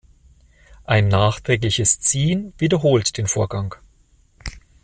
Ein nachträgliches Ziehen wiederholt den Vorgang.